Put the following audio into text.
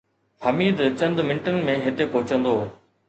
حميد چند منٽن ۾ هتي پهچندو